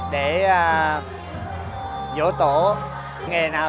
để tìm ra những người hoạt động của việt nam